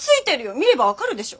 見れば分かるでしょ。